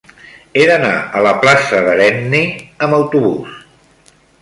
He d'anar a la plaça d'Herenni amb autobús.